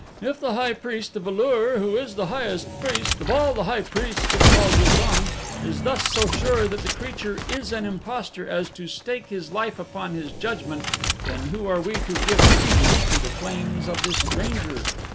If the high priest of A lur, who is the highest priest of all the high priests of Pal ul don is thus so sure that the creature is an impostor as to stake his life upon his judgment then who are we to give credence to the claims of this stranger?